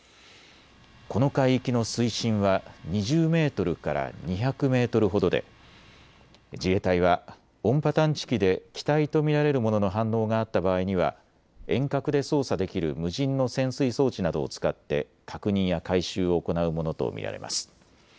この海域の水深は２０メートルから２００メートルほどで自衛隊は音波探知機で機体と見られるものの反応があった場合には遠隔で操作できる無人の潜水装置などを使って確認や回収を行うものと見られます。